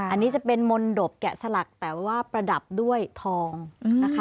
อันนี้จะเป็นมนตบแกะสลักแต่ว่าประดับด้วยทองนะคะ